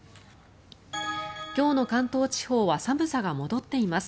今日の関東地方は寒さが戻っています。